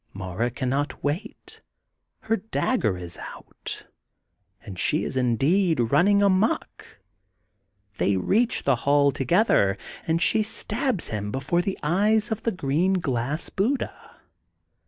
Mara cannot wait. Her dagger is out, and she is indeed running ^^ amuck. '' They reach the hall together, and she stabs him before the eyes of the green Glass Buddha.